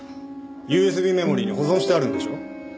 ＵＳＢメモリーに保存してあるんでしょう？